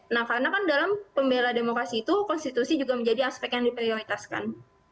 nah karena kan dalam pembela demokrasi itu konstitusi juga menjadi aspek yang diprioritaskan